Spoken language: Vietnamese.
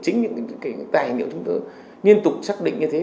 chính những cái tài liệu chúng tôi liên tục xác định như thế